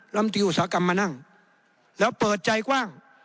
ลำตีอุตสาหกรรมมานั่งแล้วเปิดใจกว้าง